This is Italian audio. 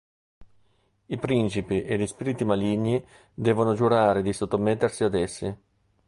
I principi e gli spiriti maligni devono giurare di sottomettersi ad essi.